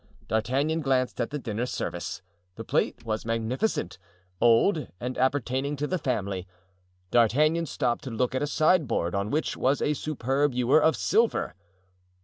D'Artagnan glanced at the dinner service. The plate was magnificent, old, and appertaining to the family. D'Artagnan stopped to look at a sideboard on which was a superb ewer of silver.